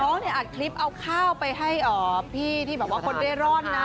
น้องเนี่ยอัดคลิปเอาข้าวไปให้พี่ที่แบบว่าคนเรียนรอดนะฮะ